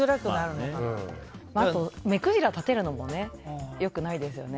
あと目くじら立てるのも良くないですよね。